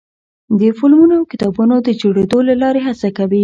د فلمونو او کتابونو د جوړېدو له لارې هڅه کوي.